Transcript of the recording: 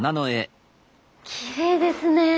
きれいですね。